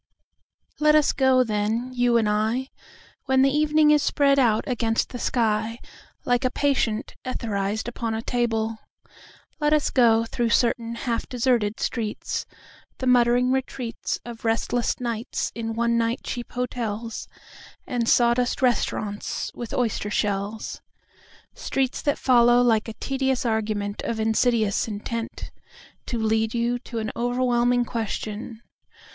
LET us go then, you and I,When the evening is spread out against the skyLike a patient etherized upon a table; Let us go, through certain half deserted streets, The muttering retreatsOf restless nights in one night cheap hotelsAnd sawdust restaurants with oyster shells:Streets that follow like a tedious argumentOf insidious intentTo lead you to an overwhelming question….